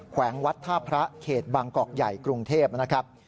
แวงวัดท่าพระเขตบางกอกใหญ่กรุงเทพนะครับ